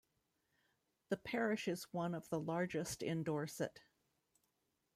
The parish is one of the largest in Dorset.